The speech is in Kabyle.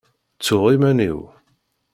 Ttuɣ iman-iw.